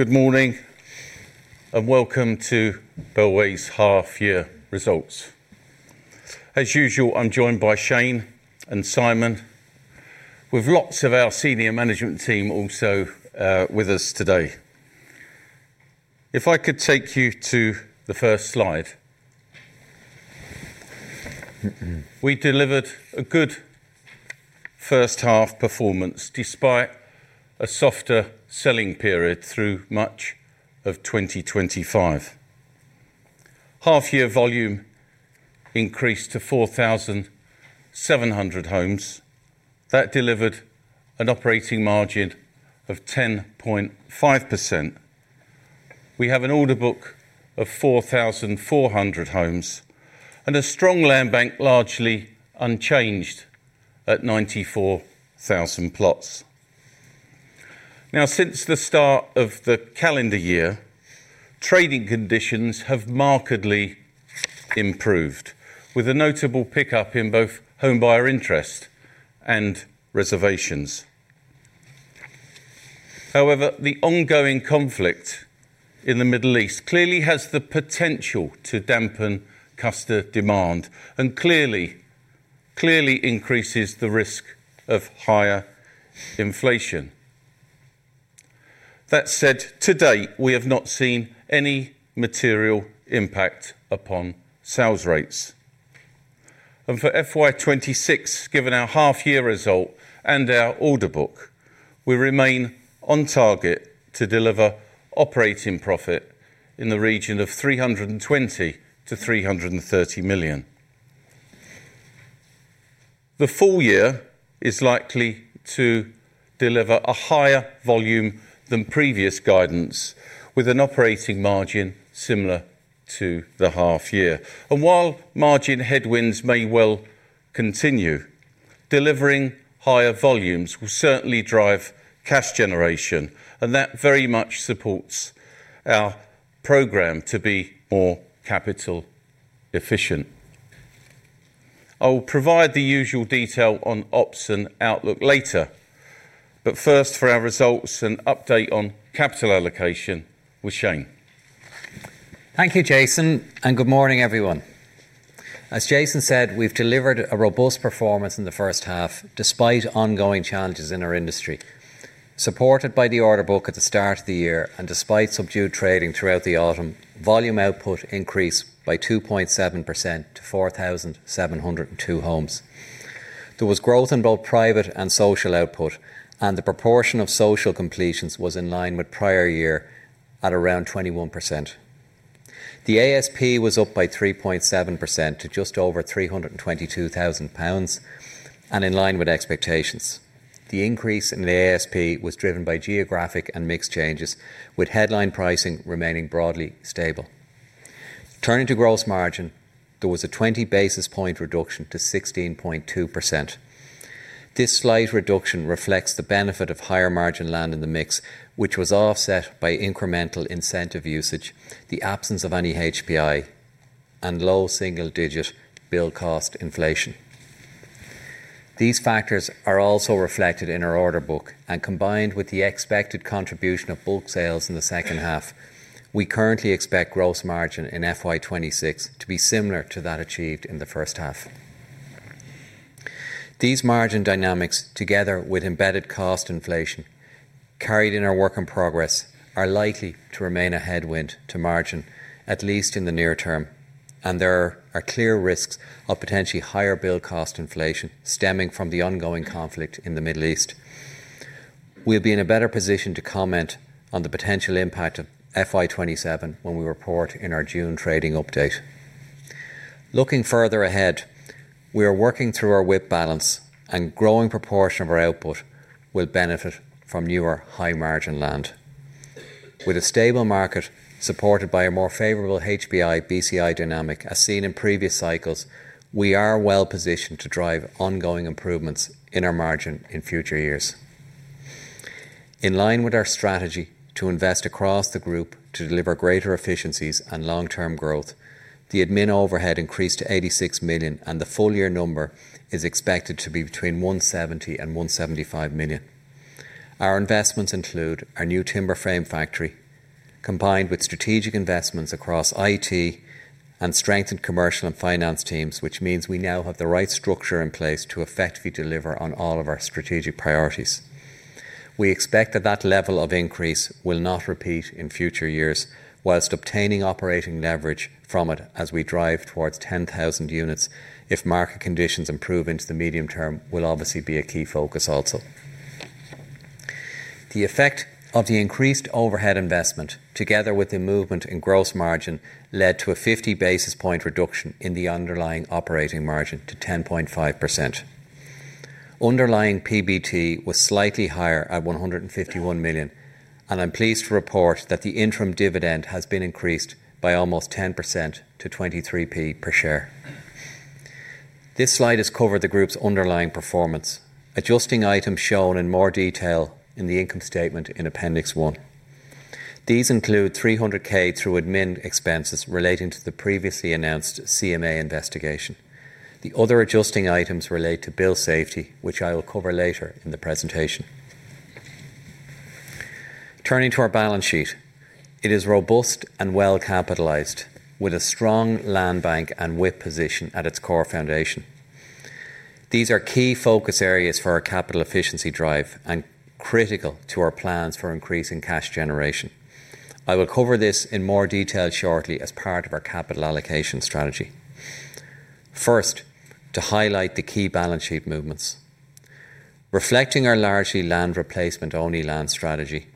Good morning, and welcome to Bellway's Half Year Results. As usual, I'm joined by Shane and Simon, with lots of our senior management team also with us today. If I could take you to the first slide. We delivered a good first-half performance despite a softer selling period through much of 2025. Half year volume increased to 4,700 homes. That delivered an operating margin of 10.5%. We have an order book of 4,400 homes and a strong land bank largely unchanged at 94,000 plots. Now, since the start of the calendar year, trading conditions have markedly improved, with a notable pickup in both home buyer interest and reservations. However, the ongoing conflict in the Middle East clearly has the potential to dampen customer demand and clearly increases the risk of higher inflation. That said, to date, we have not seen any material impact upon sales rates. For FY 2026, given our half year result and our order book, we remain on target to deliver operating profit in the region of 320 to 330 million. The full year is likely to deliver a higher volume than previous guidance, with an operating margin similar to the half year. While margin headwinds may well continue, delivering higher volumes will certainly drive cash generation, and that very much supports our program to be more capital efficient. I will provide the usual detail on ops and outlook later, but first for our results an update on capital allocation with Shane. Thank you, Jason, and good morning, everyone. As Jason said, we've delivered a robust performance in the first half despite ongoing challenges in our industry. Supported by the order book at the start of the year and despite subdued trading throughout the autumn, volume output increased by 2.7% to 4,702 homes. There was growth in both private and social output, and the proportion of social completions was in line with prior year at around 21%. The ASP was up by 3.7% to just over 322,000 pounds, and in line with expectations. The increase in the ASP was driven by geographic and mix changes, with headline pricing remaining broadly stable. Turning to gross margin, there was a 20 basis point reduction to 16.2%. This slight reduction reflects the benefit of higher margin land in the mix, which was offset by incremental incentive usage, the absence of any HPI, and low single-digit build cost inflation. These factors are also reflected in our order book, and combined with the expected contribution of bulk sales in the second half, we currently expect gross margin in FY 2026 to be similar to that achieved in the first half. These margin dynamics, together with embedded cost inflation carried in our work in progress, are likely to remain a headwind to margin, at least in the near term, and there are clear risks of potentially higher build cost inflation stemming from the ongoing conflict in the Middle East. We'll be in a better position to comment on the potential impact of FY 2027 when we report in our June trading update. Looking further ahead, we are working through our WIP balance, and growing proportion of our output will benefit from newer high margin land. With a stable market supported by a more favorable HPI/BCI dynamic as seen in previous cycles, we are well-positioned to drive ongoing improvements in our margin in future years. In line with our strategy to invest across the group to deliver greater efficiencies and long-term growth, the admin overhead increased to 86 million, and the full year number is expected to be between 170 and 175 million. Our investments include our new timber frame factory, combined with strategic investments across IT and strengthened commercial and finance teams, which means we now have the right structure in place to effectively deliver on all of our strategic priorities. We expect that level of increase will not repeat in future years whilst obtaining operating leverage from it as we drive towards 10,000 units if market conditions improve into the medium term. It will obviously be a key focus also. The effect of the increased overhead investment, together with the movement in gross margin, led to a 50 basis points reduction in the underlying operating margin to 10.5%. Underlying PBT was slightly higher at 151 million, and I'm pleased to report that the interim dividend has been increased by almost 10% to 23% per share. This slide has covered the group's underlying performance. Adjusting items shown in more detail in the income statement in appendix one. These include 300K through admin expenses relating to the previously announced CMA investigation. The other adjusting items relate to building safety, which I will cover later in the presentation. Turning to our balance sheet. It is robust and well-capitalized with a strong landbank and WIP position at its core foundation. These are key focus areas for our capital efficiency drive and critical to our plans for increasing cash generation. I will cover this in more detail shortly as part of our capital allocation strategy. First, to highlight the key balance sheet movements. Reflecting our largely land replacement only land strategy,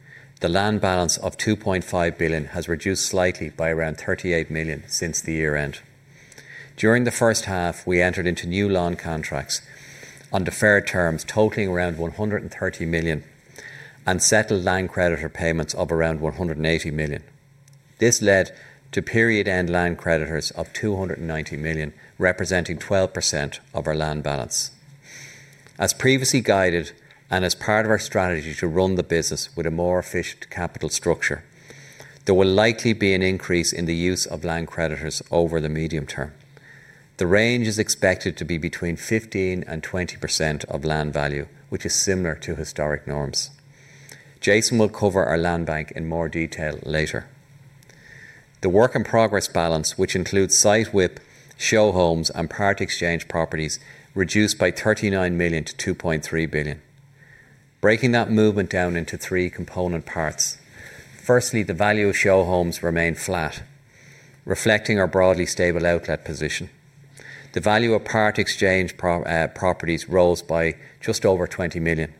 the land balance of 2.5 billion has reduced slightly by around 38 million since the year end. During the first half, we entered into new land contracts on deferred terms totaling around 130 million and settled land creditor payments of around 180 million. This led to period-end land creditors of 290 million, representing 12% of our land balance. As previously guided and as part of our strategy to run the business with a more efficient capital structure, there will likely be an increase in the use of land creditors over the medium term. The range is expected to be between 15% and 20% of land value, which is similar to historic norms. Jason will cover our landbank in more detail later. The work in progress balance, which includes site WIP, show homes, and Part Exchange properties, reduced by 39 million to 2.3 billion. Breaking that movement down into three component parts. Firstly, the value of show homes remained flat, reflecting our broadly stable outlet position. The value of Part Exchange properties rose by just over 20 million.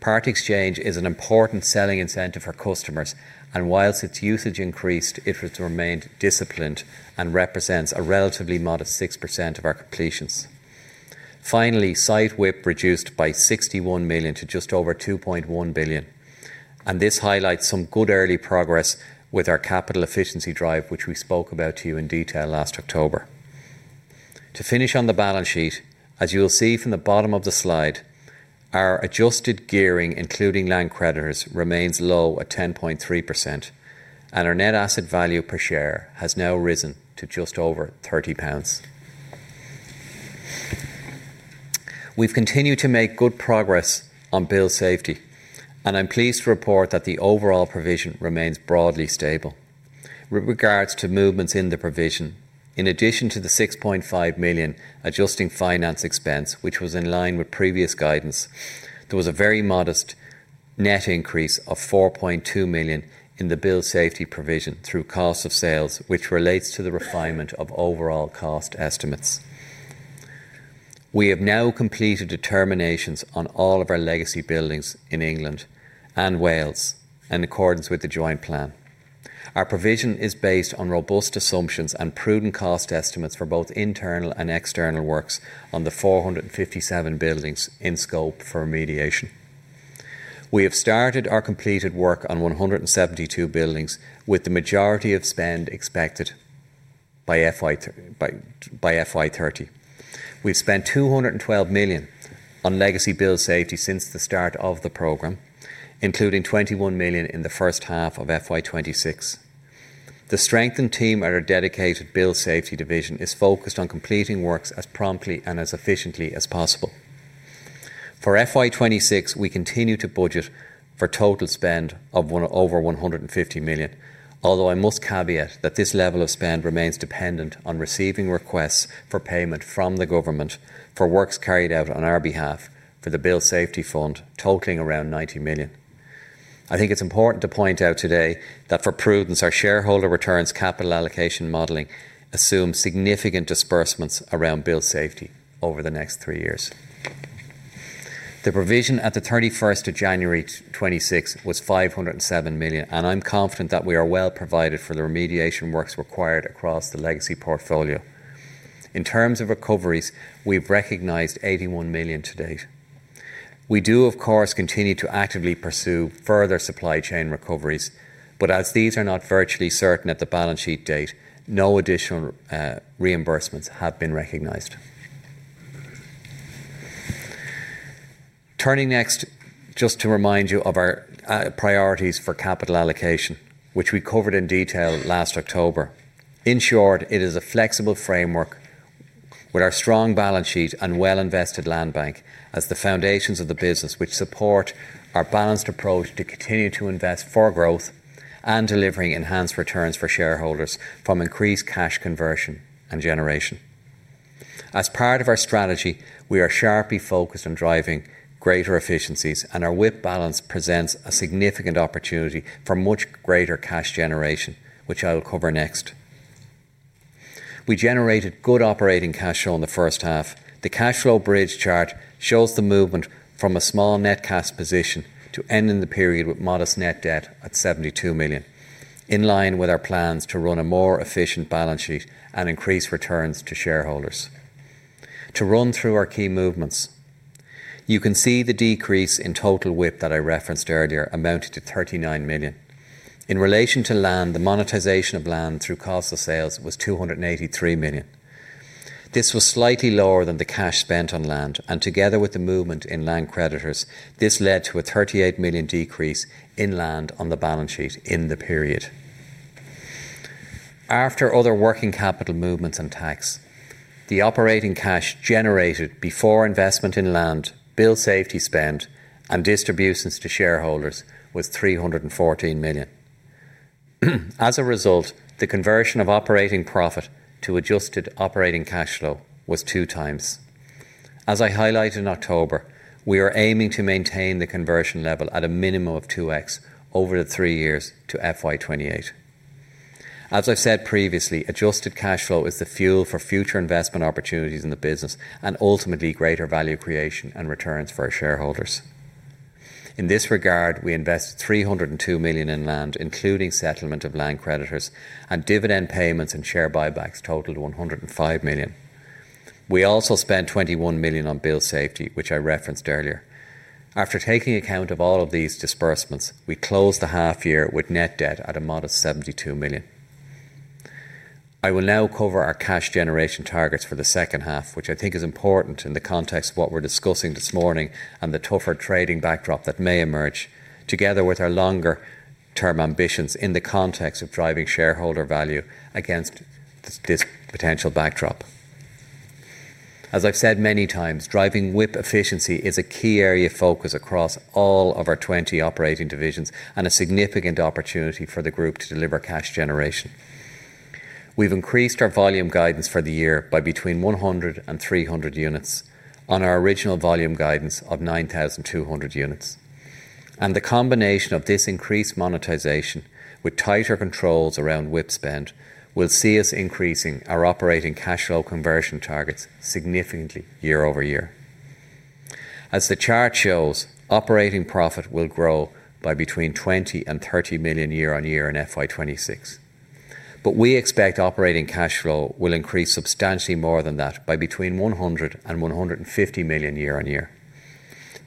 Part Exchange is an important selling incentive for customers, and while its usage increased, it has remained disciplined and represents a relatively modest 6% of our completions. Finally, site WIP reduced by 61 million to just over 2.1 billion, and this highlights some good early progress with our capital efficiency drive, which we spoke about to you in detail last October. To finish on the balance sheet, as you will see from the bottom of the slide, our adjusted gearing, including land creditors, remains low at 10.3%, and our net asset value per share has now risen to just over 30 pounds. We've continued to make good progress on building safety, and I'm pleased to report that the overall provision remains broadly stable. With regards to movements in the provision, in addition to the 6.5 million adjusting finance expense, which was in line with previous guidance, there was a very modest net increase of 4.2 million in the building safety provision through cost of sales, which relates to the refinement of overall cost estimates. We have now completed determinations on all of our legacy buildings in England and Wales in accordance with the Joint Plan. Our provision is based on robust assumptions and prudent cost estimates for both internal and external works on the 457 buildings in scope for remediation. We have started our completed work on 172 buildings, with the majority of spend expected by FY 2030. We've spent 212 million on legacy building safety since the start of the program, including 21 million in the first half of FY 2026. The strengthened team at our dedicated building safety division is focused on completing works as promptly and as efficiently as possible. For FY 2026, we continue to budget for total spend of over 150 million, although I must caveat that this level of spend remains dependent on receiving requests for payment from the government for works carried out on our behalf for the Building Safety Fund totaling around 90 million. I think it's important to point out today that for prudence, our shareholder returns capital allocation modeling assumes significant disbursements around building safety over the next three years. The provision at the 31st of January 2026 was 507 million, and I'm confident that we are well provided for the remediation works required across the legacy portfolio. In terms of recoveries, we've recognized 81 million to date. We do, of course, continue to actively pursue further supply chain recoveries, but as these are not virtually certain at the balance sheet date, no additional reimbursements have been recognized. Turning next just to remind you of our priorities for capital allocation, which we covered in detail last October. In short, it is a flexible framework with our strong balance sheet and well-invested landbank as the foundations of the business which support our balanced approach to continue to invest for growth and delivering enhanced returns for shareholders from increased cash conversion and generation. As part of our strategy, we are sharply focused on driving greater efficiencies, and our WIP balance presents a significant opportunity for much greater cash generation, which I will cover next. We generated good operating cash flow in the first half. The cash flow bridge chart shows the movement from a small net cash position to ending the period with modest net debt at 72 million, in line with our plans to run a more efficient balance sheet and increase returns to shareholders. To run through our key movements, you can see the decrease in total WIP that I referenced earlier amounted to 39 million. In relation to land, the monetization of land through cost of sales was 283 million. This was slightly lower than the cash spent on land, and together with the movement in land creditors, this led to a 38 million decrease in land on the balance sheet in the period. After other working capital movements and tax, the operating cash generated before investment in land, building safety spend, and distributions to shareholders was 314 million. As a result, the conversion of operating profit to adjusted operating cash flow was 2x. As I highlighted in October, we are aiming to maintain the conversion level at a minimum of 2x over the three years to FY 2028. As I've said previously, adjusted cash flow is the fuel for future investment opportunities in the business and ultimately greater value creation and returns for our shareholders. In this regard, we invested 302 million in land, including settlement of land creditors, and dividend payments and share buybacks totaled 105 million. We also spent 21 million on building safety, which I referenced earlier. After taking account of all of these disbursements, we closed the half year with net debt at a modest 72 million. I will now cover our cash generation targets for the second half, which I think is important in the context of what we're discussing this morning and the tougher trading backdrop that may emerge together with our longer term ambitions in the context of driving shareholder value against this potential backdrop. As I've said many times, driving WIP efficiency is a key area of focus across all of our 20 operating divisions and a significant opportunity for the group to deliver cash generation. We've increased our volume guidance for the year by between 100 and 300 units on our original volume guidance of 9,200 units. The combination of this increased monetization with tighter controls around WIP spend will see us increasing our operating cash flow conversion targets significantly year-over-year. As the chart shows, operating profit will grow by between 20 and 30 million year-over-year in FY 2026. We expect operating cash flow will increase substantially more than that by between 100 and 150 million year-over-year.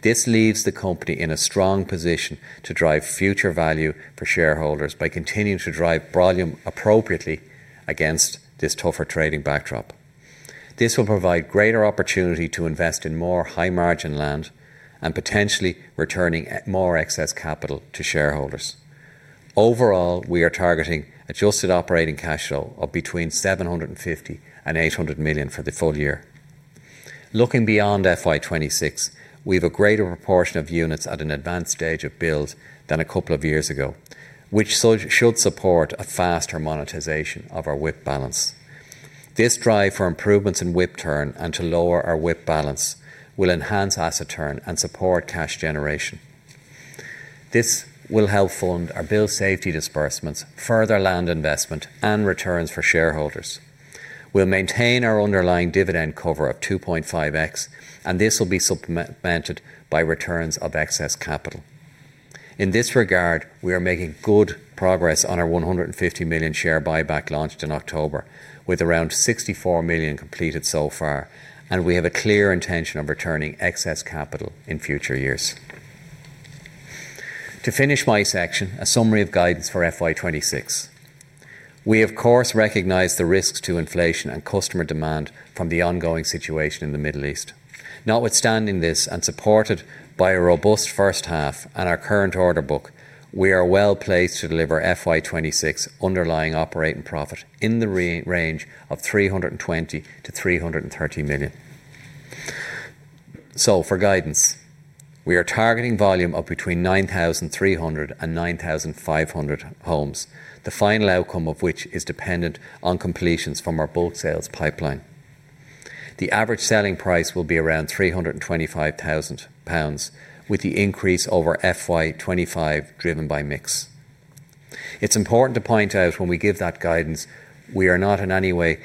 This leaves the company in a strong position to drive future value for shareholders by continuing to drive volume appropriately against this tougher trading backdrop. This will provide greater opportunity to invest in more high-margin land and potentially returning more excess capital to shareholders. Overall, we are targeting adjusted operating cash flow of between 750 and 800 million for the full year. Looking beyond FY 2026, we have a greater proportion of units at an advanced stage of build than a couple of years ago, which should support a faster monetization of our WIP balance. This drive for improvements in WIP turn and to lower our WIP balance will enhance asset turn and support cash generation. This will help fund our building safety disbursements, further land investment, and returns for shareholders. We'll maintain our underlying dividend cover of 2.5x, and this will be supplemented by returns of excess capital. In this regard, we are making good progress on our 150 million share buyback launched in October with around 64 million completed so far, and we have a clear intention of returning excess capital in future years. To finish my section, a summary of guidance for FY 2026. We, of course, recognize the risks to inflation and customer demand from the ongoing situation in the Middle East. Notwithstanding this and supported by a robust first half and our current order book, we are well-placed to deliver FY 2026 underlying operating profit in the range of 320 to 330 million. For guidance, we are targeting volume of between 9,300 and 9,500 homes. The final outcome of which is dependent on completions from our bulk sales pipeline. The average selling price will be around 325,000 pounds, with the increase over FY 2025 driven by mix. It's important to point out when we give that guidance, we are not in any way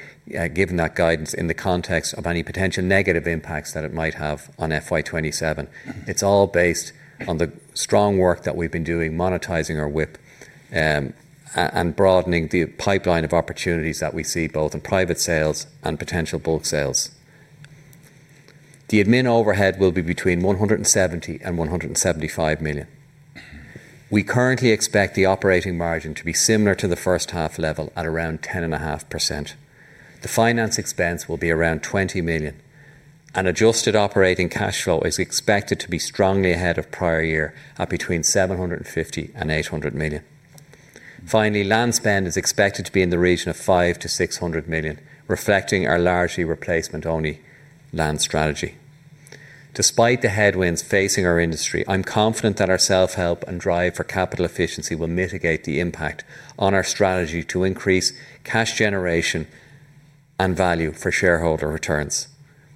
giving that guidance in the context of any potential negative impacts that it might have on FY 2027. It's all based on the strong work that we've been doing monetizing our WIP and broadening the pipeline of opportunities that we see both in private sales and potential bulk sales. The admin overhead will be between 170 million and 175 million. We currently expect the operating margin to be similar to the first half level at around 10.5%. The finance expense will be around 20 million, and adjusted operating cash flow is expected to be strongly ahead of prior year at between 750 million and 800 million. Finally, land spend is expected to be in the region of 500 to 600 million, reflecting our largely replacement-only land strategy. Despite the headwinds facing our industry, I'm confident that our self-help and drive for capital efficiency will mitigate the impact on our strategy to increase cash generation and value for shareholder returns.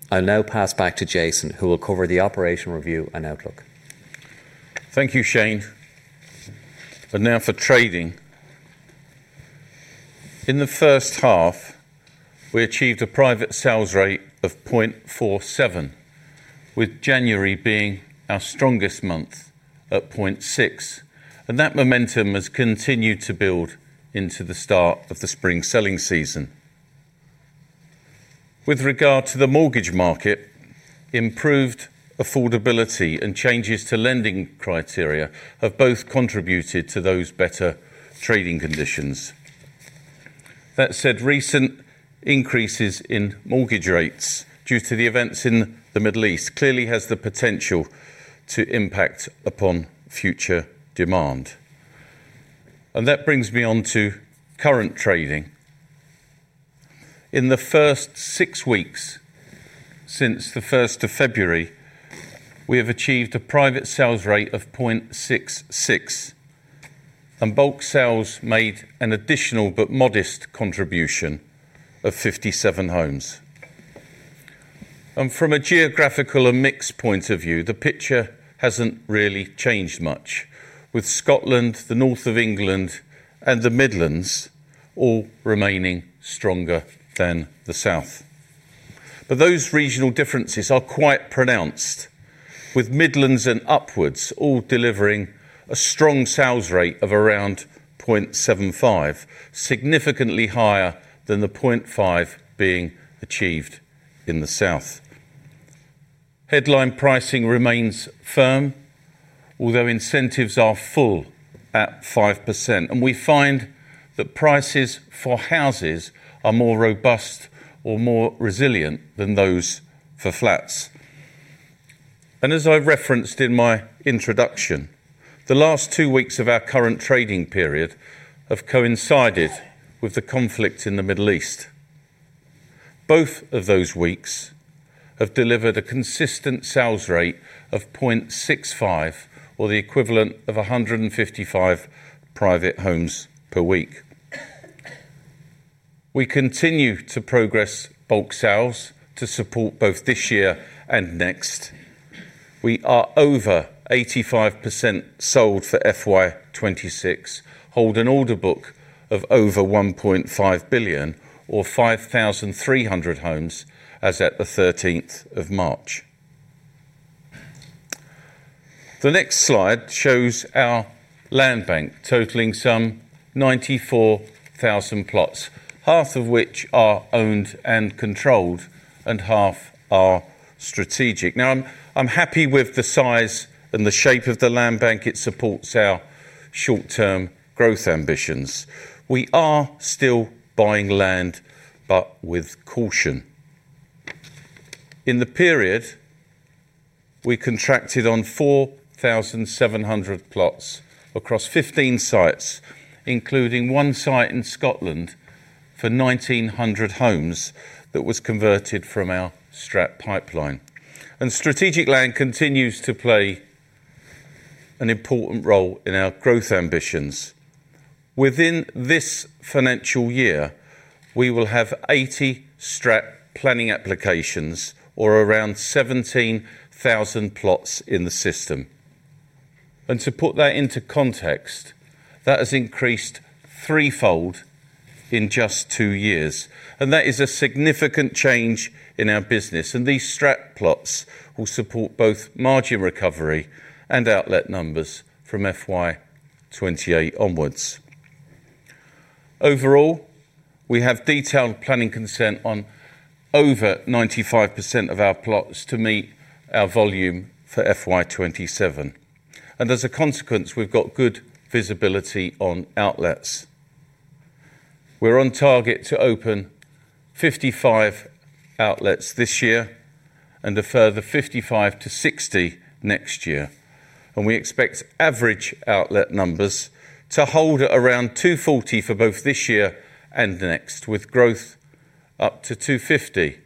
I'll now pass back to Jason, who will cover the operational review and outlook. Thank you, Shane. Now for trading. In the first half, we achieved a private sales rate of 0.47, with January being our strongest month at 0.6, and that momentum has continued to build into the start of the spring selling season. With regard to the mortgage market, improved affordability and changes to lending criteria have both contributed to those better trading conditions. That said, recent increases in mortgage rates due to the events in the Middle East clearly has the potential to impact upon future demand. That brings me on to current trading. In the first six weeks since the first of February, we have achieved a private sales rate of 0.66, and bulk sales made an additional but modest contribution of 57 homes. From a geographical and mix point of view, the picture hasn't really changed much with Scotland, the north of England, and the Midlands all remaining stronger than the South. Those regional differences are quite pronounced, with Midlands and upwards all delivering a strong sales rate of around 0.75, significantly higher than the 0.5 being achieved in the South. Headline pricing remains firm, although incentives are full at 5%, and we find that prices for houses are more robust or more resilient than those for flats. As I referenced in my introduction, the last two weeks of our current trading period have coincided with the conflict in the Middle East. Both of those weeks have delivered a consistent sales rate of 0.65, or the equivalent of 155 private homes per week. We continue to progress bulk sales to support both this year and next. We are over 85% sold for FY 2026, hold an order book of over 1.5 billion or 5,300 homes as at the 13th of March. The next slide shows our land bank totaling some 94,000 plots, half of which are owned and controlled and half are strategic. Now, I'm happy with the size and the shape of the land bank. It supports our short term growth ambitions. We are still buying land, but with caution. In the period, we contracted on 4,700 plots across 15 sites, including one site in Scotland for 1,900 homes that was converted from our Strat Land pipeline. Strategic land continues to play an important role in our growth ambitions. Within this financial year, we will have 80 Strat planning applications or around 17,000 plots in the system. To put that into context, that has increased threefold in just two years. That is a significant change in our business. These Strat plots will support both margin recovery and outlet numbers from FY 2028 onwards. Overall, we have detailed planning consent on over 95% of our plots to meet our volume for FY 2027, and as a consequence we've got good visibility on outlets. We're on target to open 55 outlets this year and a further 55 to 60 next year. We expect average outlet numbers to hold at around 240 for both this year and next, with growth up to 250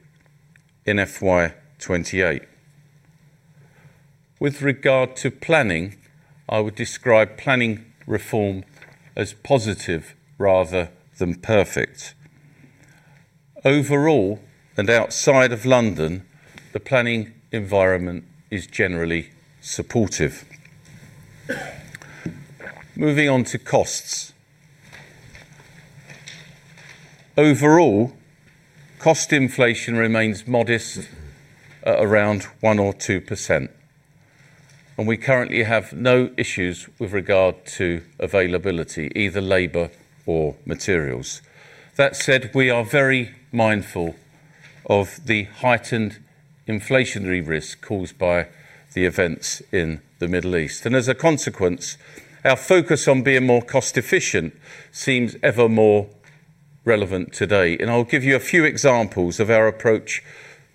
in FY 2028. With regard to planning, I would describe planning reform as positive rather than perfect. Overall, and outside of London, the planning environment is generally supportive. Moving on to costs. Overall, cost inflation remains modest at around 1% or 2%, and we currently have no issues with regard to availability, either labor or materials. That said, we are very mindful of the heightened inflationary risk caused by the events in the Middle East. As a consequence, our focus on being more cost efficient seems ever more relevant today. I'll give you a few examples of our approach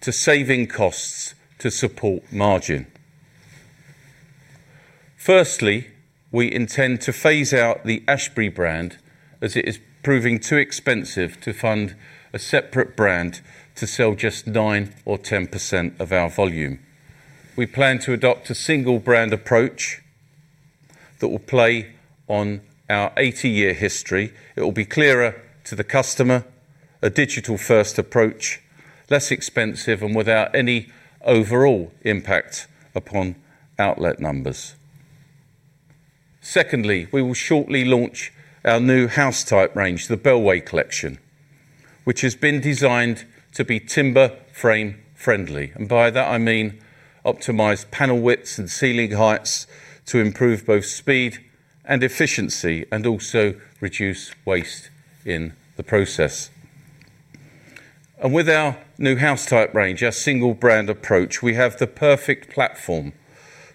to saving costs to support margin. Firstly, we intend to phase out the Ashberry brand as it is proving too expensive to fund a separate brand to sell just 9% or 10% of our volume. We plan to adopt a single brand approach that will play on our 80-year history. It will be clearer to the customer, a digital first approach, less expensive, and without any overall impact upon outlet numbers. Secondly, we will shortly launch our new house type range, the Bellway Collection, which has been designed to be timber frame friendly. By that I mean optimized panel widths and ceiling heights to improve both speed and efficiency, and also reduce waste in the process. With our new house type range, our single brand approach, we have the perfect platform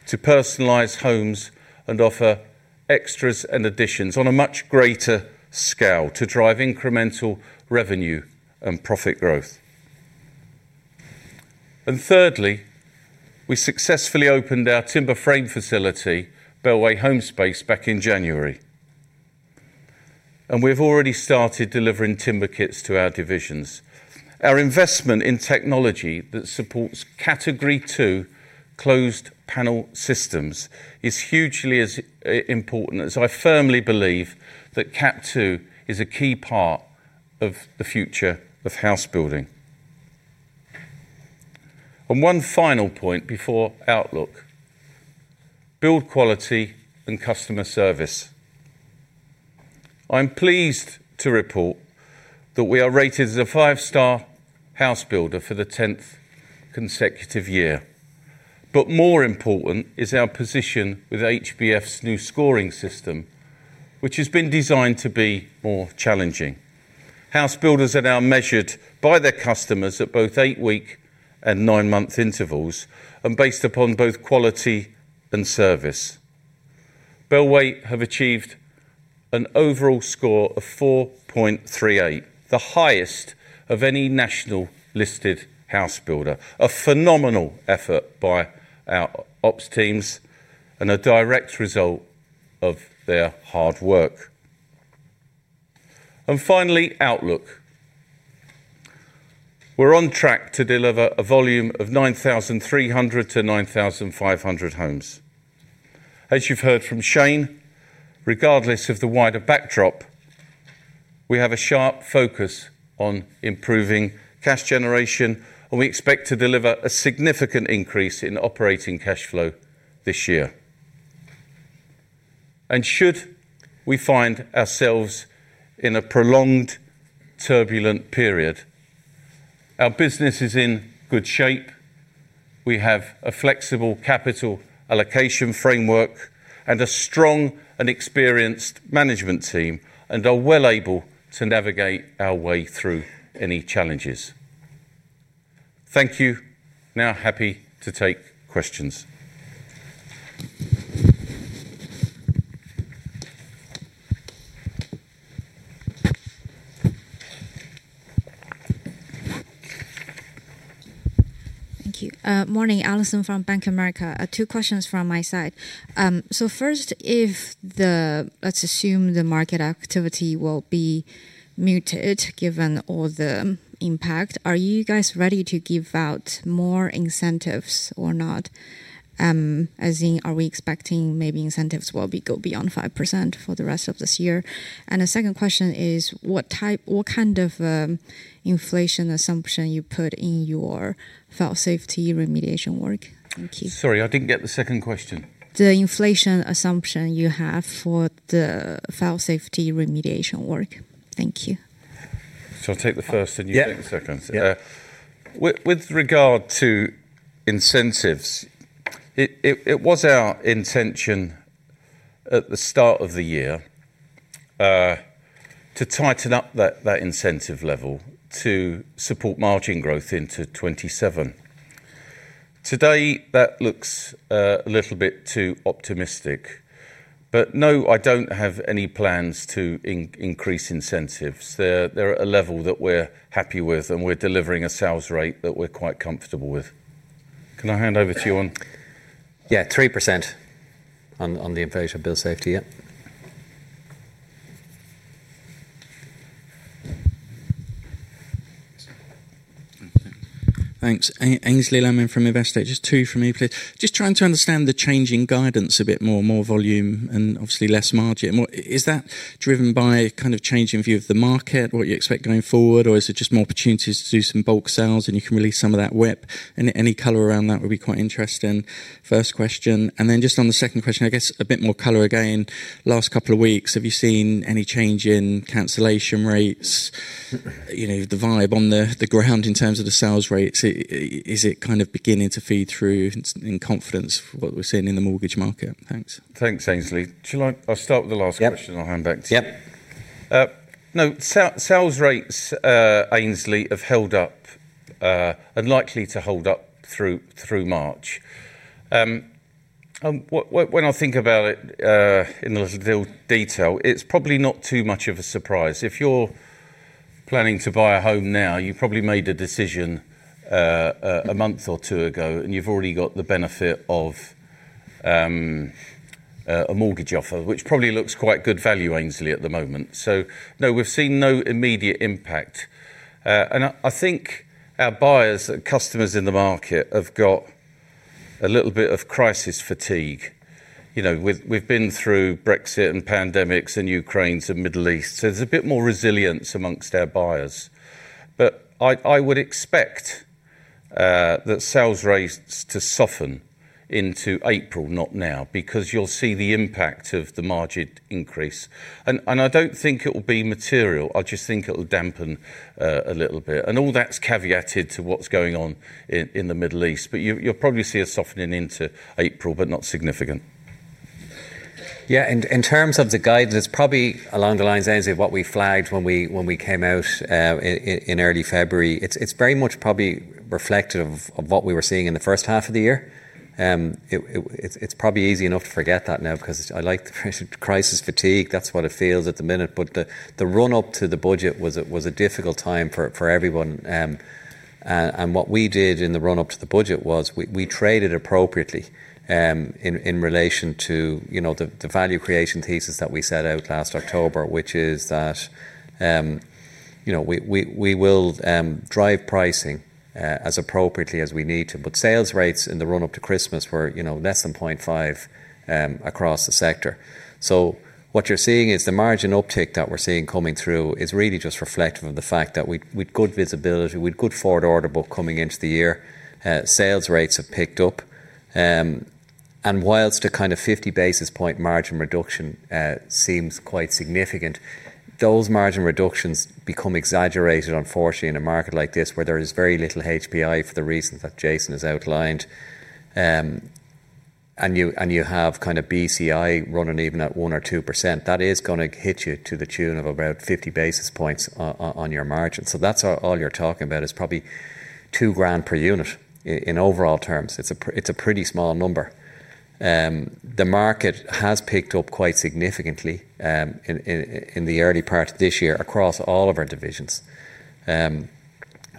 to personalize homes and offer extras and additions on a much greater scale to drive incremental revenue and profit growth. Thirdly, we successfully opened our timber frame facility, Bellway Home Space, back in January. We've already started delivering timber kits to our divisions. Our investment in technology that supports Category two closed panel systems is hugely important, as I firmly believe that Cat two is a key part of the future of house building. One final point before outlook. Build quality and customer service. I'm pleased to report that we are rated as a five-star house builder for the tenth consecutive year. More important is our position with HBF's new scoring system, which has been designed to be more challenging. House builders are now measured by their customers at both eight week and nine month intervals, and based upon both quality and service. Bellway have achieved an overall score of 4.38, the highest of any national listed house builder. A phenomenal effort by our ops teams and a direct result of their hard work. Finally, outlook. We're on track to deliver a volume of 9,300 to 9,500 homes. As you've heard from Shane, regardless of the wider backdrop, we have a sharp focus on improving cash generation, and we expect to deliver a significant increase in operating cash flow this year. Should we find ourselves in a prolonged, turbulent period, our business is in good shape. We have a flexible capital allocation framework and a strong and experienced management team, and are well able to navigate our way through any challenges. Thank you. Now happy to take questions. Thank you. Morning. Allison from Bank of America. Two questions from my side. First, let's assume the market activity will be muted given all the impact, are you guys ready to give out more incentives or not? As in, are we expecting maybe incentives will go beyond 5% for the rest of this year? The second question is, what kind of inflation assumption you put in your fire safety remediation work? Thank you. Sorry, I didn't get the second question. The inflation assumption you have for the fire safety remediation work? Thank you. Shall I take the first and you take the second? Yeah. With regard to incentives, it was our intention at the start of the year to tighten up that incentive level to support margin growth into 2027. Today, that looks a little bit too optimistic, but no, I don't have any plans to increase incentives. They're at a level that we're happy with, and we're delivering a sales rate that we're quite comfortable with. Can I hand over to you on Yeah, 3% on the inflation of building safety, yeah. Thanks. Aynsley Lammin from Investec. Just two from me, please. Just trying to understand the change in guidance a bit more, more volume and obviously less margin. What is that driven by kind of changing view of the market, what you expect going forward? Or is it just more opportunities to do some bulk sales and you can release some of that WIP? Any color around that would be quite interesting. First question. Just on the second question, I guess a bit more color again. Last couple of weeks, have you seen any change in cancellation rates? You know, the vibe on the ground in terms of the sales rates. Is it kind of beginning to feed through in confidence what we're seeing in the mortgage market? Thanks. Thanks, Aynsley. I'll start with the last question- Yep. I'll hand back to you. Yep. No. Sales rates, Aynsley, have held up and likely to hold up through March. When I think about it in the little detail, it's probably not too much of a surprise. If you're planning to buy a home now, you probably made a decision a month or two ago, and you've already got the benefit of a mortgage offer, which probably looks quite good value, Aynsley, at the moment. No, we've seen no immediate impact. I think our buyers, customers in the market have got a little bit of crisis fatigue. You know, we've been through Brexit and pandemics and Ukraine to Middle East, so there's a bit more resilience among our buyers. I would expect that sales rates to soften into April, not now, because you'll see the impact of the margin increase. I don't think it'll be material, I just think it'll dampen a little bit. All that's caveated to what's going on in the Middle East. You'll probably see a softening into April, but not significant. Yeah, in terms of the guidance, it's probably along the lines of what we flagged when we came out in early February. It's very much probably reflective of what we were seeing in the first half of the year. It's probably easy enough to forget that now because I like to phrase it crisis fatigue. That's what it feels at the minute. The run up to the budget was a difficult time for everyone. What we did in the run up to the budget was we traded appropriately in relation to you know the value creation thesis that we set out last October, which is that you know we will drive pricing as appropriately as we need to. Sales rates in the run-up to Christmas were, you know, less than 0.5 across the sector. What you're seeing is the margin uptick that we're seeing coming through is really just reflective of the fact that we had good visibility, we had good forward order book coming into the year. Sales rates have picked up, and while a kind of 50 basis point margin reduction seems quite significant, those margin reductions become exaggerated unfortunately in a market like this where there is very little HPI for the reasons that Jason has outlined. And you have kind of BCI running even at 1% or 2%, that is gonna hit you to the tune of about 50 basis points on your margin. That's all you're talking about is probably 2,000 per unit in overall terms. It's a pretty small number. The market has picked up quite significantly in the early part of this year across all of our divisions.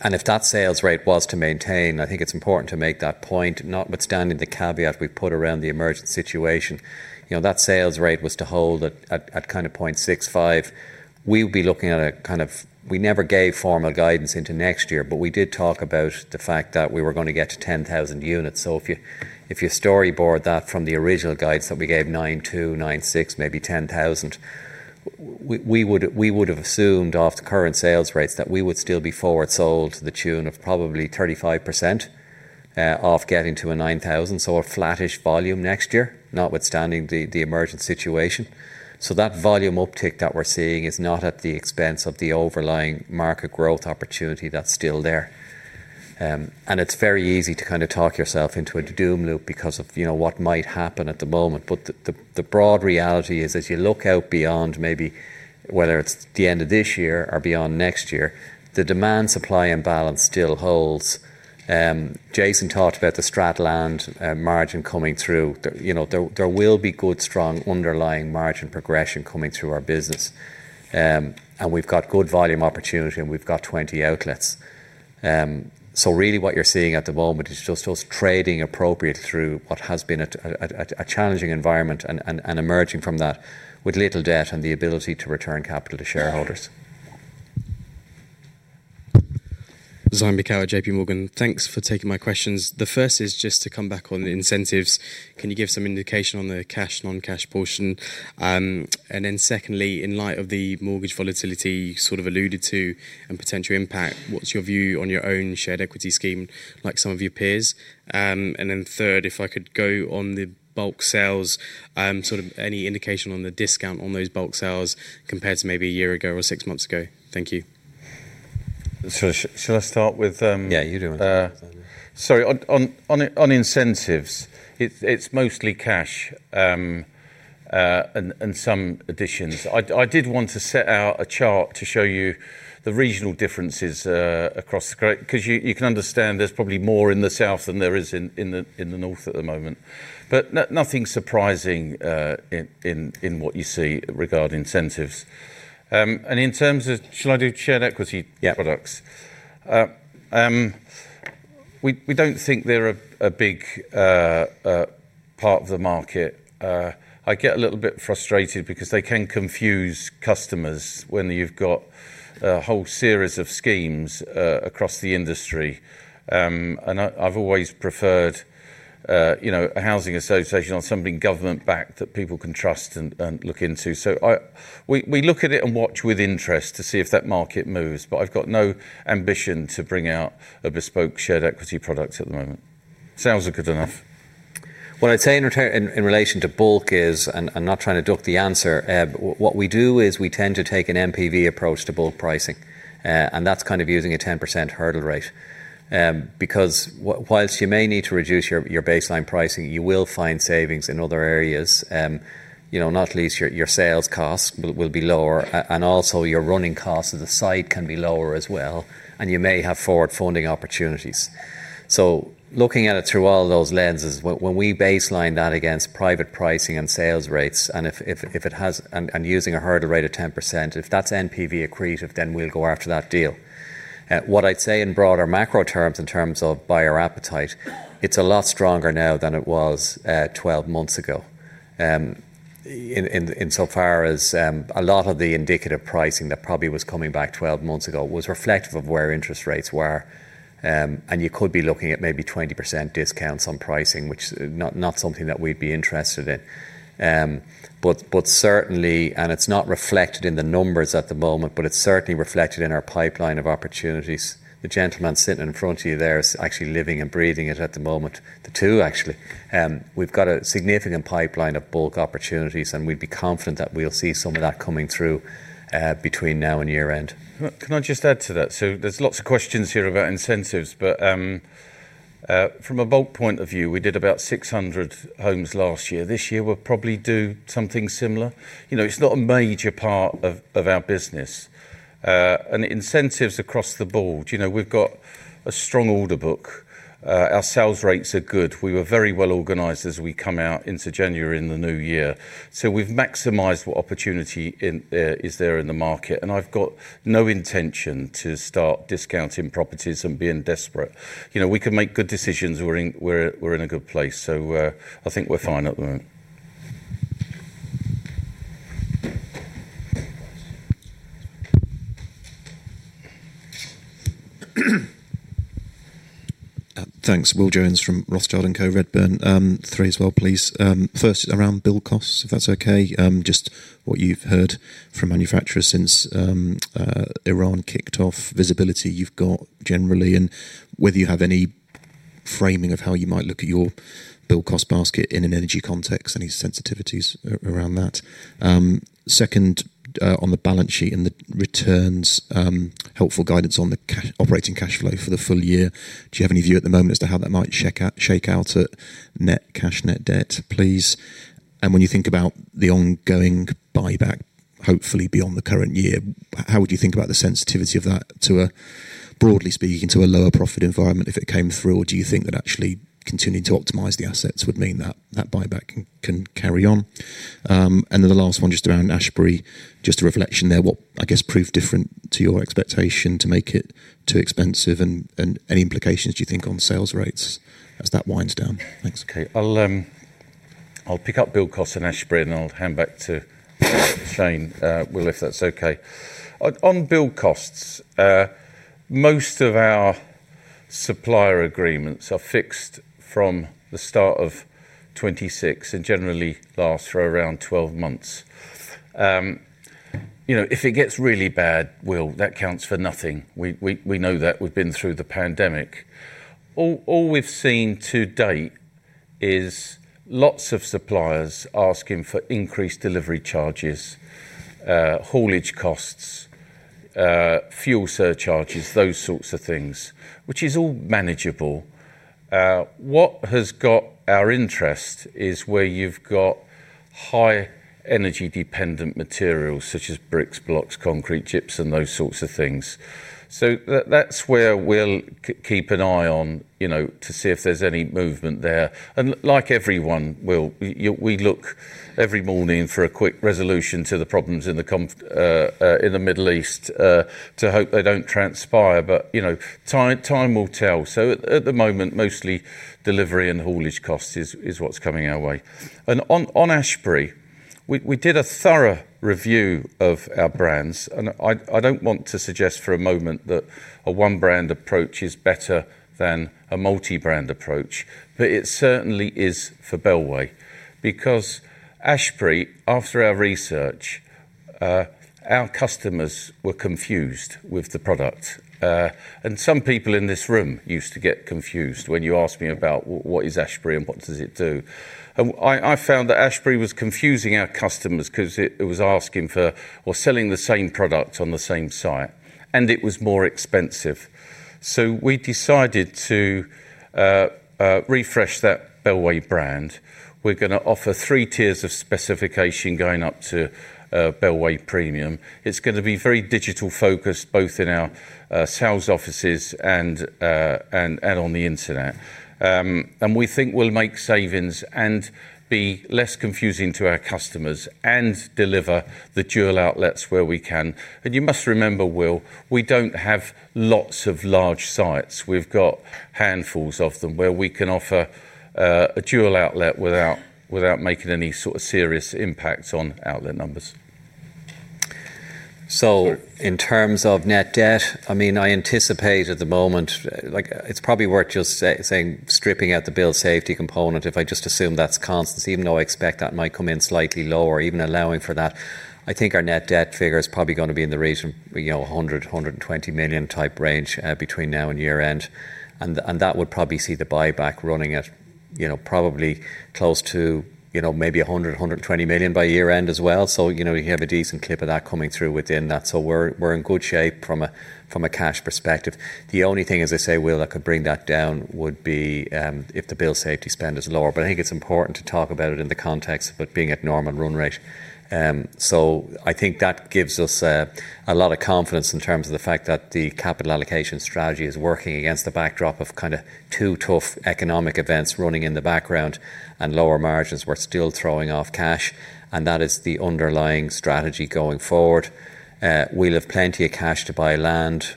If that sales rate was to maintain, I think it's important to make that point, notwithstanding the caveat we put around the emergent situation, that sales rate was to hold at kind of 0.65. We would be looking at a kind of. We never gave formal guidance into next year, but we did talk about the fact that we were gonna get to 10,000 units. If you storyboard that from the original guides that we gave 92, 96, maybe 10,000, we would have assumed off the current sales rates that we would still be forward sold to the tune of probably 35%, off getting to a 9,000. A flattish volume next year, notwithstanding the emergent situation. That volume uptick that we're seeing is not at the expense of the overlying market growth opportunity that's still there. Jason talked about the Strat Land margin coming through. You know, there will be good, strong underlying margin progression coming through our business. We've got good volume opportunity, and we've got 20 outlets. Really what you're seeing at the moment is just us trading appropriately through what has been a challenging environment and emerging from that with little debt and the ability to return capital to shareholders. Zaim Beekawa, J.P. Morgan. Thanks for taking my questions. The first is just to come back on the incentives. Can you give some indication on the cash, non-cash portion? Secondly, in light of the mortgage volatility you sort of alluded to and potential impact, what's your view on your own Shared Ownership scheme like some of your peers? Third, if I could go on the bulk sales, sort of any indication on the discount on those bulk sales compared to maybe a year ago or six months ago. Thank you. Shall I start with? Yeah, you do it. Sorry. On incentives, it's mostly cash and some additions. I did want to set out a chart to show you the regional differences across the country 'cause you can understand there's probably more in the south than there is in the north at the moment. Nothing surprising in what you see regarding incentives. In terms of. Shall I do Shared Ownership products? Yeah. We don't think they're a big part of the market. I get a little bit frustrated because they can confuse customers when you've got a whole series of schemes across the industry. I've always preferred, you know, a housing association on something government-backed that people can trust and look into. We look at it and watch with interest to see if that market moves, but I've got no ambition to bring out a bespoke Shared Ownership product at the moment. Sales are good enough. What I'd say in return in relation to bulk is, and I'm not trying to duck the answer, but what we do is we tend to take an NPV approach to bulk pricing, and that's kind of using a 10% hurdle rate. Because while you may need to reduce your baseline pricing, you will find savings in other areas. You know, not least your sales costs will be lower and also your running costs as a site can be lower as well, and you may have forward funding opportunities. Looking at it through all those lenses, when we baseline that against private pricing and sales rates and if using a 10% hurdle rate, if that's NPV accretive, then we'll go after that deal. What I'd say in broader macro terms, in terms of buyer appetite, it's a lot stronger now than it was 12 months ago, insofar as a lot of the indicative pricing that probably was coming back 12 months ago was reflective of where interest rates were, and you could be looking at maybe 20% discounts on pricing, which is not something that we'd be interested in. But certainly, and it's not reflected in the numbers at the moment, but it's certainly reflected in our pipeline of opportunities. The gentleman sitting in front of you there is actually living and breathing it at the moment. The two actually. We've got a significant pipeline of bulk opportunities, and we'd be confident that we'll see some of that coming through between now and year-end. Can I just add to that? There's lots of questions here about incentives, but from a build point of view, we did about 600 homes last year. This year, we'll probably do something similar. You know, it's not a major part of our business. And incentives across the board, you know, we've got a strong order book. Our sales rates are good. We were very well organized as we come out into January in the new year. We've maximized what opportunity is there in the market, and I've got no intention to start discounting properties and being desperate. You know, we can make good decisions. We're in a good place. I think we're fine at the moment. Thanks. Will Jones from Rothschild & Co Redburn. Three as well, please. First, around build costs, if that's okay. Just what you've heard from manufacturers since Iran kicked off, visibility you've got generally, and whether you have any framing of how you might look at your build cost basket in an energy context, any sensitivities around that. Second, on the balance sheet and the returns, helpful guidance on the operating cash flow for the full year. Do you have any view at the moment as to how that might shake out at net cash, net debt, please? And when you think about the ongoing buyback, hopefully beyond the current year, how would you think about the sensitivity of that to a, broadly speaking, to a lower profit environment if it came through? Do you think that actually continuing to optimize the assets would mean that buyback can carry on? The last one just around Ashberry, just a reflection there, what, I guess, proved different to your expectation to make it too expensive and any implications do you think on sales rates as that winds down? Thanks. Okay. I'll pick up build cost and Ashberry, and I'll hand back to Shane, Will, if that's okay. On build costs, most of our supplier agreements are fixed from the start of 2026 and generally last for around 12 months. You know, if it gets really bad, Will, that counts for nothing. We know that. We've been through the pandemic. All we've seen to date is lots of suppliers asking for increased delivery charges, haulage costs, fuel surcharges, those sorts of things, which is all manageable. What has got our interest is where you've got high energy dependent materials such as bricks, blocks, concrete chips, and those sorts of things. That's where we'll keep an eye on, you know, to see if there's any movement there. Like everyone, Will, we look every morning for a quick resolution to the problems in the conflict in the Middle East to hope they don't transpire. You know, time will tell. At the moment, mostly delivery and haulage costs is what's coming our way. On Ashberry, we did a thorough review of our brands, and I don't want to suggest for a moment that a one brand approach is better than a multi-brand approach, but it certainly is for Bellway. Because Ashberry, after our research, our customers were confused with the product. And some people in this room used to get confused when you asked me about what is Ashberry and what does it do. I found that Ashberry was confusing our customers 'cause it was asking for or selling the same product on the same site, and it was more expensive. We decided to refresh that Bellway brand. We're gonna offer three tiers of specification going up to Bellway Premium. It's gonna be very digital focused, both in our sales offices and on the internet. We think we'll make savings and be less confusing to our customers and deliver the dual outlets where we can. You must remember, Will, we don't have lots of large sites. We've got handfuls of them where we can offer a dual outlet without making any sort of serious impact on outlet numbers. In terms of net debt, I mean, I anticipate at the moment, like it's probably worth just saying stripping out the building safety component. If I just assume that's constant, even though I expect that might come in slightly lower, even allowing for that, I think our net debt figure is probably gonna be in the region, you know, 100, 120 million type range between now and year-end. That would probably see the buyback running at, you know, probably close to, you know, maybe 100, 120 million by year-end as well. You know, you have a decent clip of that coming through within that. We're in good shape from a cash perspective. The only thing, as I say, Will, that could bring that down would be if the building safety spend is lower. I think it's important to talk about it in the context of it being at normal run rate. I think that gives us a lot of confidence in terms of the fact that the capital allocation strategy is working against the backdrop of kinda two tough economic events running in the background and lower margins. We're still throwing off cash, and that is the underlying strategy going forward. We'll have plenty of cash to buy land.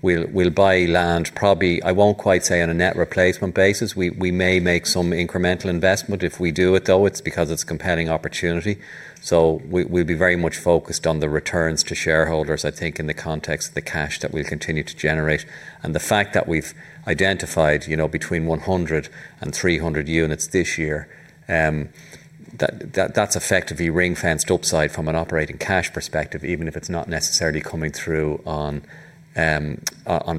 We'll buy land probably. I won't quite say on a net replacement basis. We may make some incremental investment. If we do it, though, it's because it's compelling opportunity. We'll be very much focused on the returns to shareholders, I think, in the context of the cash that we'll continue to generate. The fact that we've identified, you know, between 100 and 300 units this year, that's effectively ring-fenced upside from an operating cash perspective, even if it's not necessarily coming through on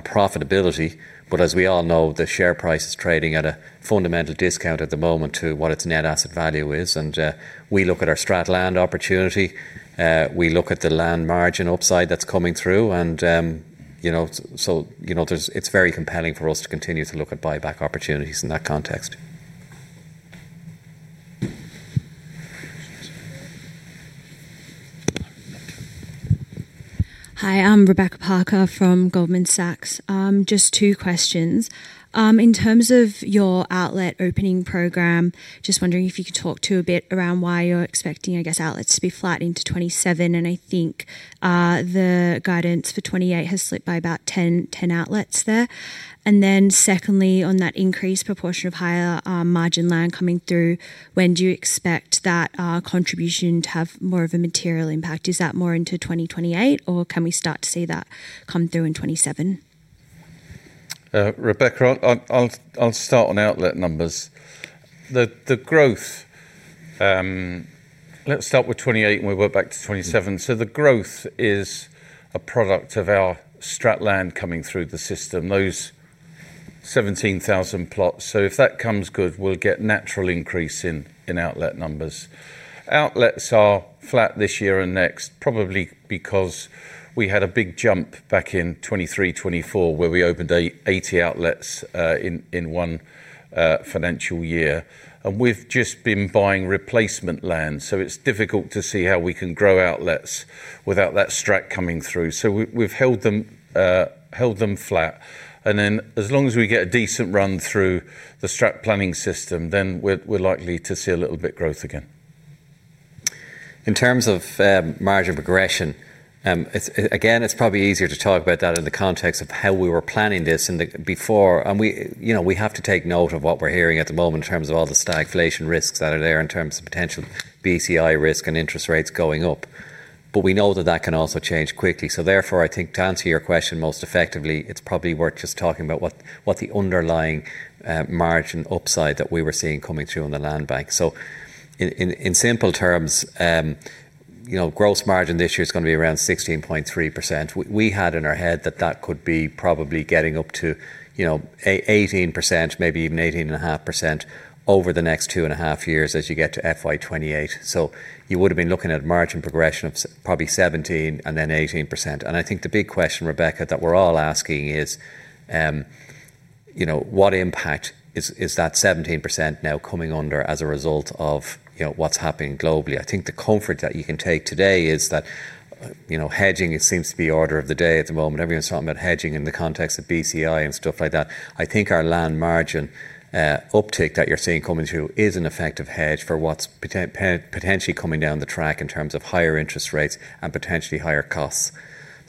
profitability. As we all know, the share price is trading at a fundamental discount at the moment to what its net asset value is. We look at our Strat Land opportunity, we look at the land margin upside that's coming through and, you know, so, you know, there's. It's very compelling for us to continue to look at buyback opportunities in that context. Hi, I'm Rebecca Parker from Goldman Sachs. Just two questions. In terms of your outlet opening program, just wondering if you could talk to a bit around why you're expecting, I guess, outlets to be flat into 2027, and I think the guidance for 2028 has slipped by about 10 outlets there. Secondly, on that increased proportion of higher margin land coming through, when do you expect that contribution to have more of a material impact? Is that more into 2028, or can we start to see that come through in 2027? Rebecca, I'll start on outlet numbers. The growth, let's start with 2028, and we work back to 2027. The growth is a product of our Strat Land coming through the system, those 17,000 plots. If that comes good, we'll get natural increase in outlet numbers. Outlets are flat this year and next, probably because we had a big jump back in 2023, 2024, where we opened 80 outlets in one financial year. We've just been buying replacement land, so it's difficult to see how we can grow outlets without that Strat Land coming through. We've held them flat. Then as long as we get a decent run through the Strat Land planning system, we're likely to see a little bit growth again. In terms of margin progression, it's probably easier to talk about that in the context of how we were planning this before. We, you know, have to take note of what we're hearing at the moment in terms of all the stagflation risks that are there in terms of potential BCI risk and interest rates going up. We know that can also change quickly. Therefore, I think to answer your question most effectively, it's probably worth just talking about what the underlying margin upside that we were seeing coming through on the land bank. In simple terms, you know, gross margin this year is gonna be around 16.3%. We had in our head that could be probably getting up to, you know, 18%, maybe even 18.5% over the next two and a half years as you get to FY 2028. You would've been looking at margin progression of probably 17% and then 18%. I think the big question, Rebecca, that we're all asking is, you know, what impact is that 17% now coming under as a result of, you know, what's happening globally? I think the comfort that you can take today is that, you know, hedging, it seems to be order of the day at the moment. Everyone's talking about hedging in the context of BCI and stuff like that. I think our land margin uptick that you're seeing coming through is an effective hedge for what's potentially coming down the track in terms of higher interest rates and potentially higher costs.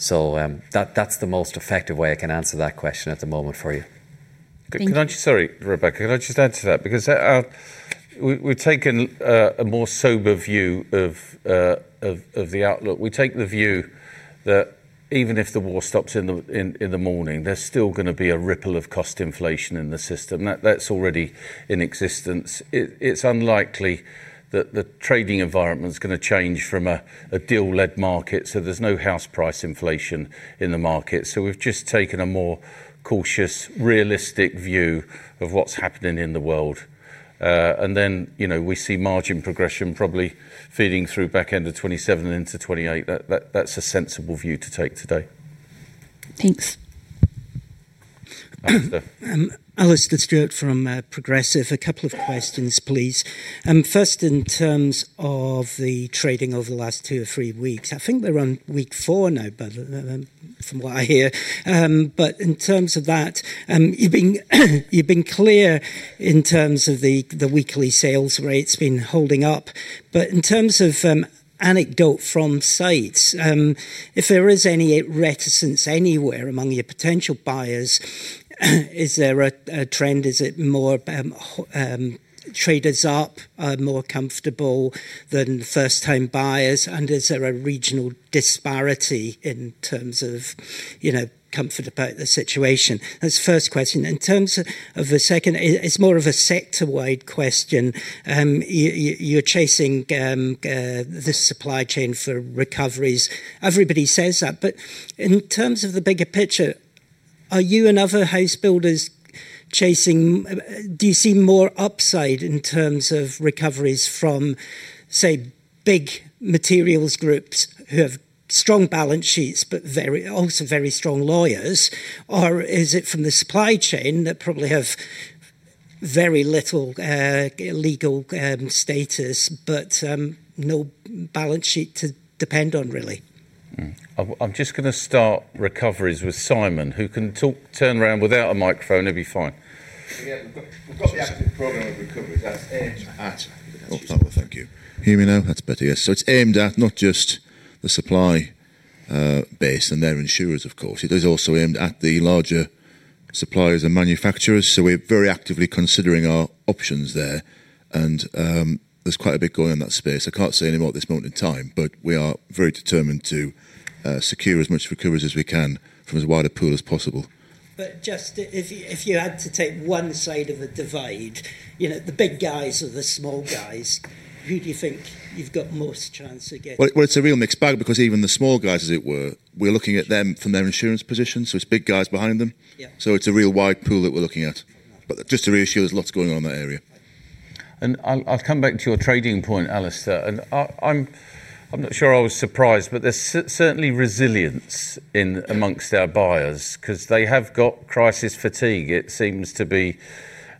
That's the most effective way I can answer that question at the moment for you. Thank you. Sorry, Rebecca. Can I just add to that? Because we've taken a more sober view of the outlook. We take the view that even if the war stops in the morning, there's still gonna be a ripple of cost inflation in the system. That's already in existence. It's unlikely that the trading environment's gonna change from a deal-led market, so there's no house price inflation in the market. We've just taken a more cautious, realistic view of what's happening in the world. You know, we see margin progression probably feeding through back end of 2027 and into 2028. That's a sensible view to take today. Thanks. Alastair. Alastair Stewart from Progressive. A couple of questions, please. First in terms of the trading over the last two or three weeks. I think we're on week four now from what I hear. But in terms of that, you've been clear in terms of the weekly sales rates have been holding up. But in terms of anecdotes from sites, if there is any reticence anywhere among your potential buyers, is there a trend? Is it more trade-ups are more comfortable than first-time buyers? And is there a regional disparity in terms of comfort about the situation? That's the first question. In terms of the second, it's more of a sector-wide question. You're chasing the supply chain for recoveries. Everybody says that. In terms of the bigger picture, do you see more upside in terms of recoveries from, say, big materials groups who have strong balance sheets but very strong lawyers? Or is it from the supply chain that probably have very little legal status but no balance sheet to depend on really? I'm just gonna start remarks with Simon, who can talk, turn around without a microphone. It'll be fine. Yeah. We've got the active program of recovery that's aimed at Oh, hello. Thank you. Hear me now? That's better, yes. It's aimed at not just the supply base and their insurers, of course. It is also aimed at the larger suppliers and manufacturers. We're very actively considering our options there. There's quite a bit going on in that space. I can't say any more at this moment in time, but we are very determined to secure as much recoveries as we can from as wide a pool as possible. Just if you had to take one side of a divide, you know, the big guys or the small guys, who do you think you've got most chance of getting? Well, it's a real mixed bag because even the small guys, as it were, we're looking at them from their insurance position, so it's big guys behind them. Yeah. It's a real wide pool that we're looking at. Just to reassure, there's lots going on in that area. I'll come back to your trading point, Alastair. I'm not sure I was surprised, but there's certainly resilience among our buyers 'cause they have got crisis fatigue. It seems to be,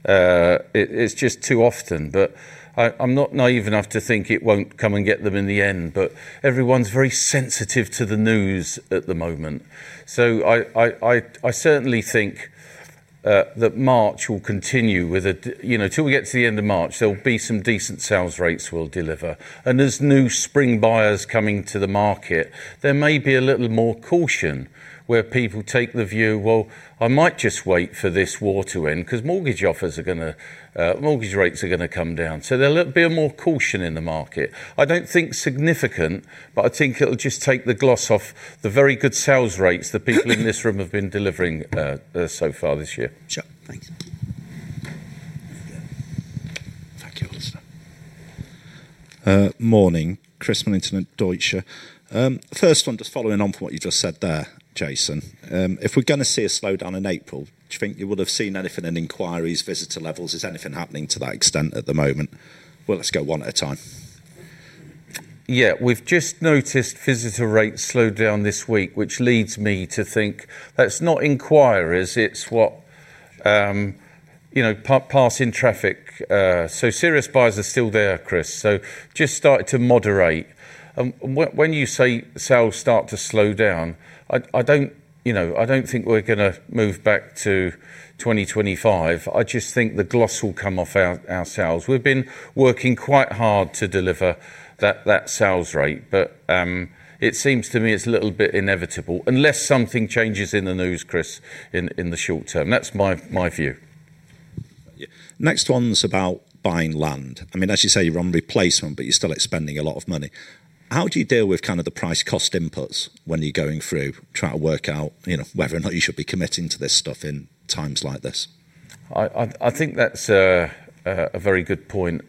it's just too often. I'm not naive enough to think it won't come and get them in the end. Everyone's very sensitive to the news at the moment. I certainly think that March will continue with it. You know, till we get to the end of March, there'll be some decent sales rates we'll deliver. There's new spring buyers coming to the market. There may be a little more caution where people take the view, "Well, I might just wait for this war to end," 'cause mortgage rates are gonna come down. There'll be more caution in the market. I don't think it's significant, but I think it'll just take the gloss off the very good sales rates that people in this room have been delivering so far this year. Sure. Thanks. Thank you, Alastair. Morning. Chris Millington at Deutsche. First one, just following on from what you just said there, Jason. If we're gonna see a slowdown in April, do you think you would have seen anything in inquiries, visitor levels? Is anything happening to that extent at the moment? Well, let's go one at a time. Yeah. We've just noticed visitor rates slow down this week, which leads me to think that it's not inquirers, it's what, you know, passing traffic. Serious buyers are still there, Chris. Just started to moderate. When you say sales start to slow down, I don't, you know, I don't think we're gonna move back to 2025. I just think the gloss will come off our sales. We've been working quite hard to deliver that sales rate. It seems to me it's a little bit inevitable unless something changes in the news, Chris, in the short term. That's my view. Yeah. Next one's about buying land. I mean, as you say, you're on replacement, but you're still expending a lot of money. How do you deal with kind of the price cost inputs when you're going through, trying to work out, you know, whether or not you should be committing to this stuff in times like this? I think that's a very good point.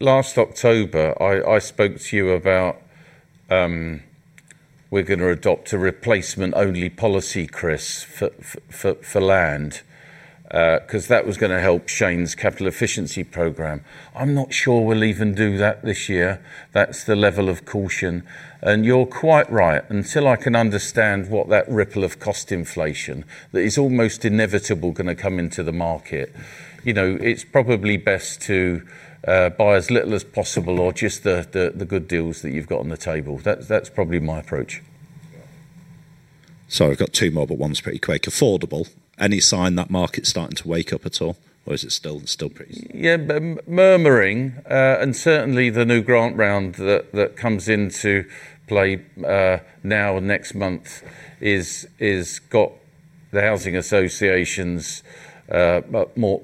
Last October, I spoke to you about we're gonna adopt a replacement-only policy, Chris, for land, 'cause that was gonna help Shane's capital efficiency program. I'm not sure we'll even do that this year. That's the level of caution. You're quite right. Until I can understand what that ripple of cost inflation that is almost inevitable gonna come into the market, you know, it's probably best to buy as little as possible or just the good deals that you've got on the table. That's probably my approach. Sorry, I've got two more, but one's pretty quick. Affordable. Any sign that market's starting to wake up at all? Or is it still pretty- Yeah. Certainly the new grant round that comes into play now or next month is got the housing associations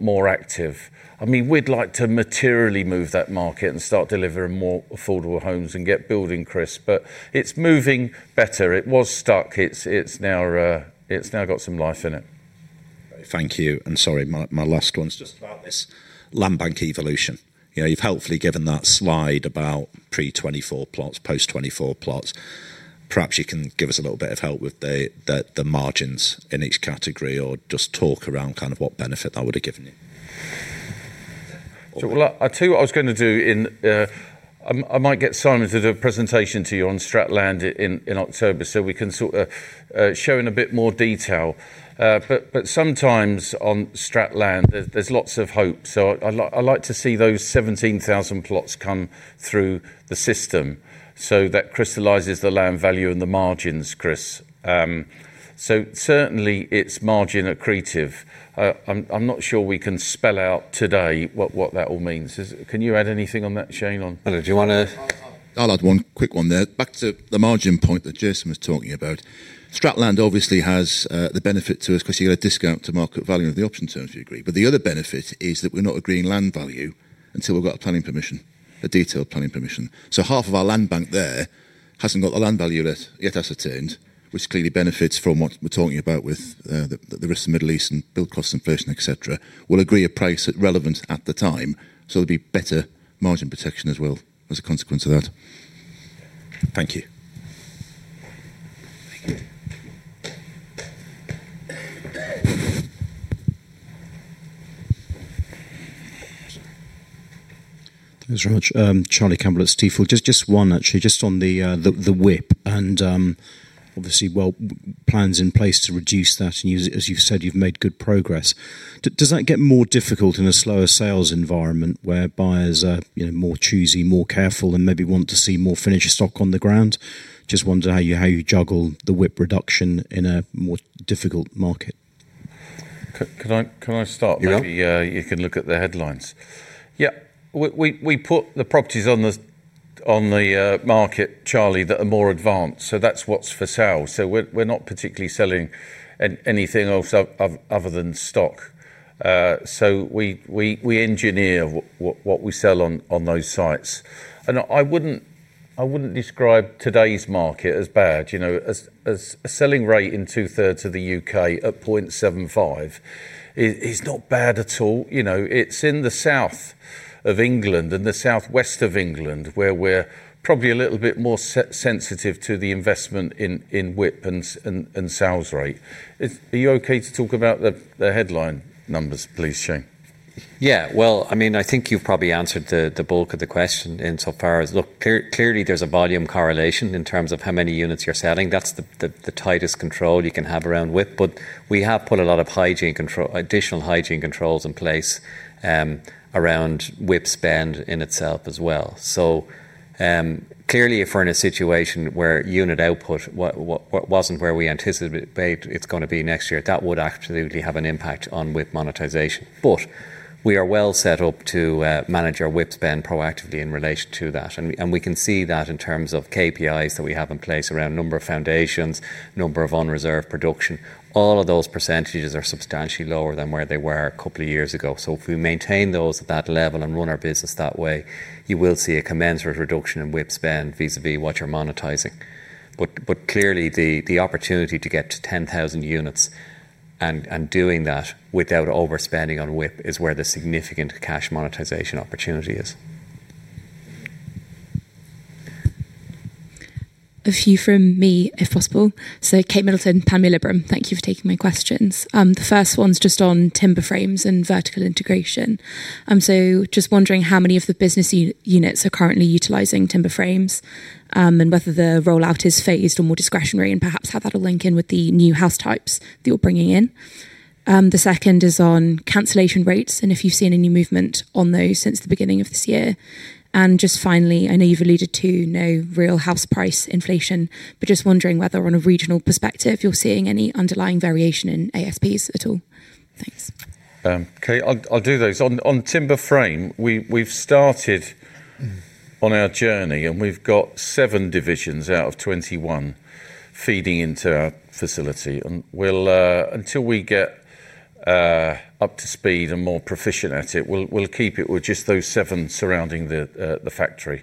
more active. I mean, we'd like to materially move that market and start delivering more affordable homes and get building, Chris. It's moving better. It was stuck. It's now got some life in it. Thank you. Sorry, my last one is just about this land bank evolution. You know, you've helpfully given that slide about pre-24 plots, post-24 plots. Perhaps you can give us a little bit of help with the margins in each category, or just talk around kind of what benefit that would have given you. Sure. Well, I'll tell you what I was gonna do. I might get Simon to the presentation to you on Strat Land in October, so we can sort of show in a bit more detail. Sometimes on Strat Land, there's lots of hope. I'd like to see those 17,000 plots come through the system so that crystallizes the land value and the margins, Chris. Certainly it's margin accretive. I'm not sure we can spell out today what that all means. Can you add anything on that, Shane, on. Do you wanna. I'll add one quick one there. Back to the margin point that Jason was talking about. Strat Land obviously has the benefit to us 'cause you get a discount to market value of the option terms you agree. The other benefit is that we're not agreeing land value until we've got a planning permission, a detailed planning permission. Half of our land bank there hasn't got the land value yet ascertained, which clearly benefits from what we're talking about with the risk of Middle East and build cost inflation, et cetera. We'll agree a price relevant at the time, so there'll be better margin protection as well as a consequence of that. Thank you. Thank you. Thanks very much. Charlie Campbell at Stifel. Just one actually. Just on the WIP, and obviously, well, plans in place to reduce that. You, as you've said, you've made good progress. Does that get more difficult in a slower sales environment where buyers are, you know, more choosy, more careful, and maybe want to see more finished stock on the ground? Just wondering how you juggle the WIP reduction in a more difficult market. Can I start? Yeah. Maybe you can look at the headlines. Yeah. We put the properties on the market, Charlie, that are more advanced. That's what's for sale. We're not particularly selling anything else other than stock. We engineer what we sell on those sites. I wouldn't describe today's market as bad, you know. As a selling rate in two-thirds of the U.K. at 0.75 is not bad at all. You know, it's in the South of England and the southwest of England, where we're probably a little bit more sensitive to the investment in WIP and sales rate. Are you okay to talk about the headline numbers, please, Shane? Yeah. Well, I mean, I think you've probably answered the bulk of the question insofar as look, clearly there's a volume correlation in terms of how many units you're selling. That's the tightest control you can have around WIP. We have put a lot of hygiene control, additional hygiene controls in place, around WIP spend in itself as well. Clearly if we're in a situation where unit output wasn't where we anticipated it's gonna be next year, that would absolutely have an impact on WIP monetization. We are well set up to manage our WIP spend proactively in relation to that. We can see that in terms of KPIs that we have in place around number of foundations, number of unreserved production. All of those percentages are substantially lower than where they were a couple of years ago. If we maintain those at that level and run our business that way, you will see a commensurate reduction in WIP spend vis-à-vis what you're monetizing. But clearly the opportunity to get to 10,000 units and doing that without overspending on WIP is where the significant cash monetization opportunity is. A few from me, if possible. Adrian Kearsey, Panmure Liberum. Thank you for taking my questions. The first one's just on timber frames and vertical integration. Just wondering how many of the business units are currently utilizing timber frames, and whether the rollout is phased or more discretionary, and perhaps how that'll link in with the new house types that you're bringing in. The second is on cancellation rates and if you've seen any movement on those since the beginning of this year. Just finally, I know you've alluded to no real house price inflation, but just wondering whether on a regional perspective, you're seeing any underlying variation in ASPs at all. Thanks. Kate, I'll do those. On timber frame, we've started on our journey, and we've got seven divisions out of 21 feeding into our facility. Until we get up to speed and more proficient at it, we'll keep it with just those seven surrounding the factory.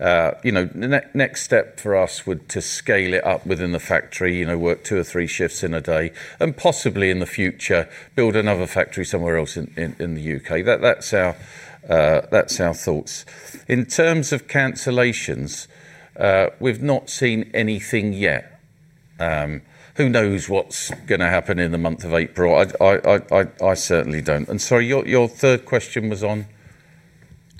You know, next step for us would be to scale it up within the factory, you know, work two or three shifts in a day, and possibly in the future, build another factory somewhere else in the U.K. That's our thoughts. In terms of cancellations, we've not seen anything yet. Who knows what's gonna happen in the month of April? I certainly don't. Sorry, your third question was on?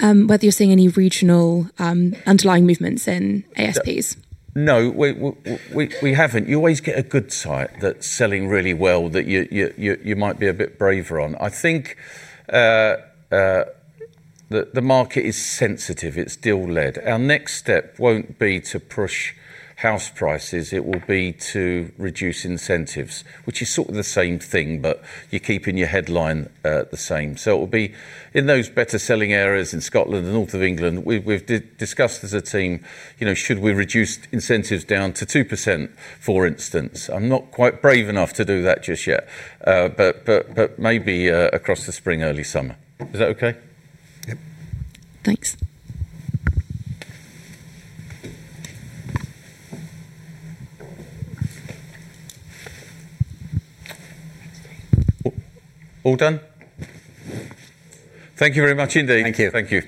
Whether you're seeing any regional, underlying movements in ASPs? No. We haven't. You always get a good site that's selling really well that you might be a bit braver on. I think the market is sensitive. It's deal-led. Our next step won't be to push house prices, it will be to reduce incentives, which is sort of the same thing, but you're keeping your headline the same. It will be in those better-selling areas in Scotland and the north of England. We've discussed as a team, you know, should we reduce incentives down to 2%, for instance. I'm not quite brave enough to do that just yet. Maybe across the spring, early summer. Is that okay? Yep. Thanks. All done? Thank you very much indeed. Thank you. Thank you.